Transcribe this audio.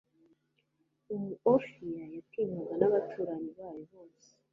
umuofia yatinywaga nabaturanyi bayo bose